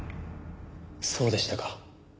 そうでしたか。